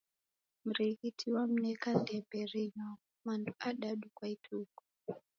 Mrighiti wamneka ndembe renywa mandu adadu kwa ituku